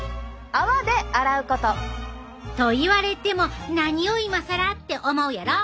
「泡で洗うこと！」。と言われても何を今更って思うやろ？